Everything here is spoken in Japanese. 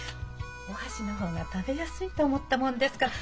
お箸の方が食べやすいと思ったもんですから。